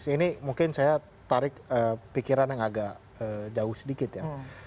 ini mungkin saya tarik pikiran yang agak jauh sedikit ya